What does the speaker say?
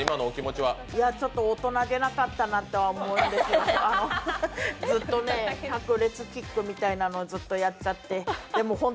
ちょっと大人げなかったなとは思うんですけど、百裂キックみたいなのやっちゃって。